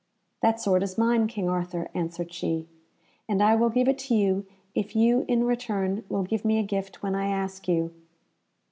"That sword is mine, King Arthur," answered she, "and I will give it to you, if you in return will give me a gift when I ask you."